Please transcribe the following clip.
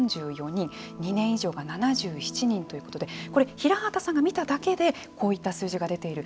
２年以上が７７人ということでこれ平畑さんが診ただけでこういった数字出ている。